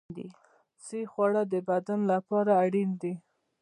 صحي خواړه د بدن لپاره اړین دي.